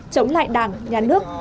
chống lại đảng nhà nước